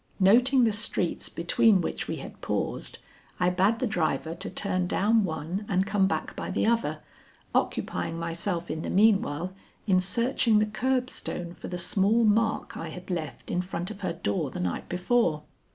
Noting the streets between which we had paused, I bade the driver to turn down one and come back by the other, occupying myself in the meanwhile, in searching the curbstone for the small mark I had left in front of her door the night before.